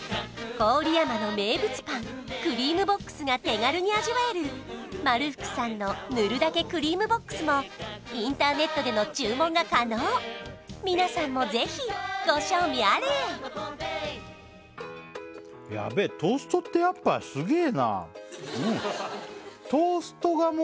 郡山の名物パンクリームボックスが手軽に味わえるまる福さんのぬるだけクリームボックスもインターネットでの注文が可能皆さんもぜひご賞味あれヤベえ！